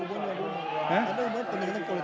ada yang minta keuarseinya romantic